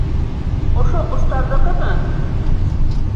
Ошо ҡоштарҙыҡымы?